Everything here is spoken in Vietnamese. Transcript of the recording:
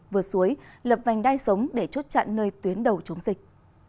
vượt suối lập vành đai sống để chốt chặn nơi tuyến đầu chống dịch